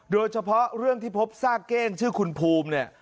โดยเฉพาะเรื่องที่พบซากเก้งชื่อคุณภูมิเนี่ย